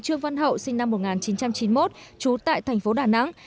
chú tại tp đà nẵng